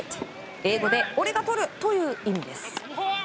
英語で「俺がとる」という意味です。